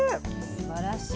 すばらしい。